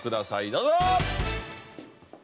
どうぞ！